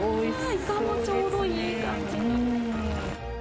イカもちょうどいい感じに。